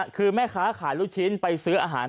คือแม่ค้าขายลูกชิ้นไปซื้ออาหาร